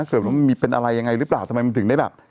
เกิดว่ามันมีเป็นอะไรยังไงหรือเปล่าทำไมมันถึงได้แบบ